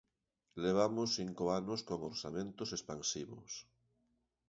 Levamos cinco anos con orzamentos expansivos.